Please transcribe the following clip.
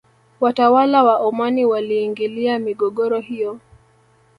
Watawala wa omani waliingilia migogoro hiyo